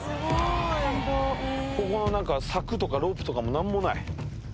ここの何か柵とかロープとかも何もない。